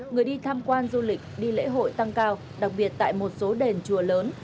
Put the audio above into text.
người đi tham quan du lịch đi lễ hội tăng cao đặc biệt tại một số đền chùa lớn